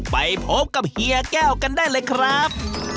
ไปพบกับเฮียแก้วกันได้เลยครับ